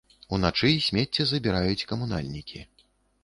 Уначы смецце забіраюць камунальнікі.